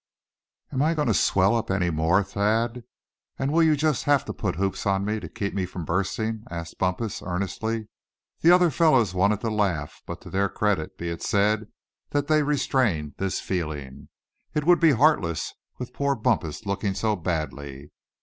"Am I going to swell up any more, Thad; and will you just have to put hoops on me to keep me from bursting?" asked Bumpus, earnestly. The other fellows wanted to laugh, but to their credit be it said that they restrained this feeling. It would be heartless, with poor Bumpus looking so badly.